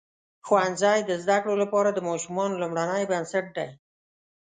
ښوونځی د زده کړو لپاره د ماشومانو لومړنۍ بنسټ دی.